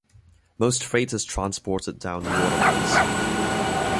Most freight is transported down waterways.